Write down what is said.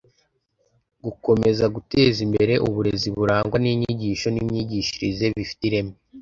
gukomeza guteza imbere uburezi burangwa n'inyigisho n'imyigishirize bifite ireme